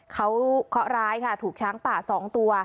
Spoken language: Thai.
เขาเคาะร้ายค่ะถูกช้างป่า๒ตัว